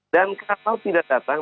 dan kalau tidak datang